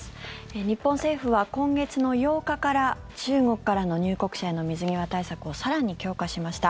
日本政府は今月の８日から中国からの入国者への水際対策を更に強化しました。